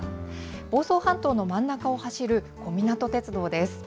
房総半島の真ん中を走る小湊鉄道です。